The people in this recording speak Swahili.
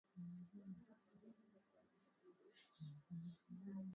mkulima au mfanyabishara kwa kutumia viazi lishe anaweza tengeneza vyakula